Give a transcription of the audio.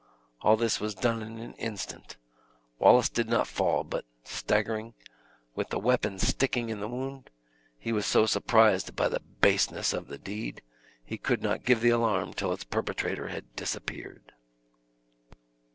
All this was done in an instant. Wallace did not fall, but staggering, with the weapon sticking in the wound, he was so surprised by the baseness of the deed, he could not give the alarm till its perpetrator had disappeared.